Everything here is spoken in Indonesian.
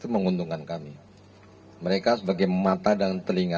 keinginan musim tidak terlalu